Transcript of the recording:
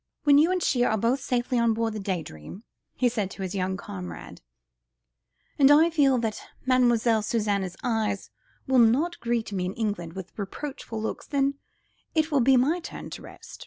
"When you and she are both safely on board the Day Dream," he said to his young comrade, "and I feel that Mlle. Suzanne's eyes will not greet me in England with reproachful looks, then it will be my turn to rest."